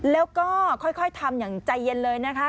แล้วก็ค่อยทำอย่างใจเย็นเลยนะคะ